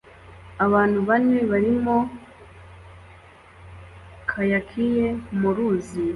Abantu bane barimo kayakie mu ruzi